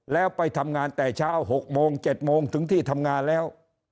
แล้วไปทำงานแต่เช้า๖โมง๗โมงถึงที่ทำงานแล้ว